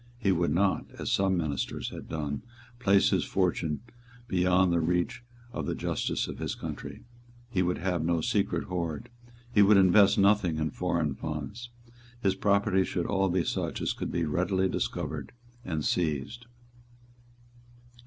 He would not, as some ministers had done, place his fortune beyond the reach of the justice of his country. He would have no secret hoard. He would invest nothing in foreign funds. His property should all be such as could be readily discovered and seized.